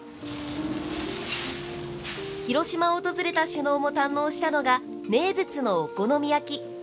広島を訪れた首脳も堪能したのが名物のお好み焼き。